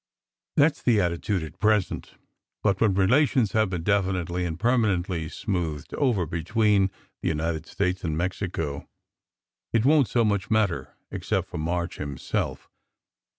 "That s the attitude at present. But when relations have been definitely and permanently smoothed over be tween the United States and Mexico, it won t so much matter except for March himself.